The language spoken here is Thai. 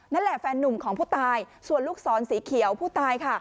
นั่นแหละแฟนนุ่มของผู้ตายส่วนลูกศรสีเขียวผู้ตายค่ะ